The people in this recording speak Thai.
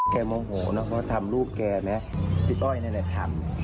แค่โหมโหเพราะว่าทำลูกแกแมพี่อ้อยล่ะเลยทำ